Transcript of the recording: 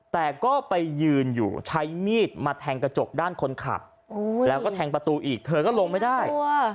แต่ก็ไปยืนอยู่ใช้มีดมาแทงกระจกด้านคนขับแล้วก็แทงประตูอีกเธอก็ลงไม่ได้